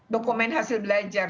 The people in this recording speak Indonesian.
dokumen hasil belajar